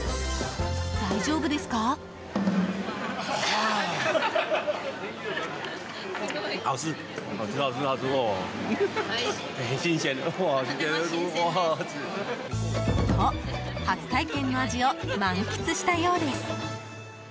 大丈夫ですか？と、初体験の味を満喫したようです。